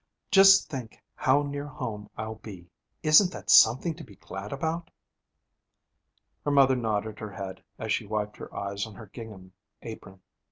Just think how near home I'll be! Isn't that something to be glad about?' Her mother nodded her head as she wiped her eyes on her gingham apron.